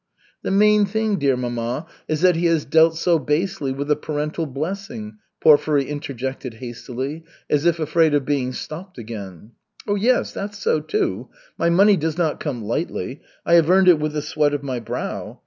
"The main thing, dear mamma, is that he has dealt so basely with the parental blessing," Porfiry interjected hastily, as if afraid of being stopped again. "Yes, that's so, too. My money does not come lightly. I have earned it with the sweat of my brow.